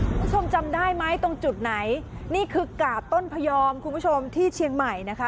คุณผู้ชมจำได้ไหมตรงจุดไหนนี่คือกาบต้นพยอมคุณผู้ชมที่เชียงใหม่นะคะ